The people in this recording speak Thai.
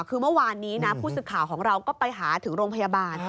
คือเมื่อวานนี้นะผู้สื่อข่าวของเราก็ไปหาถึงโรงพยาบาล